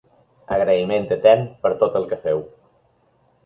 Agraïment etern per tot el que feu.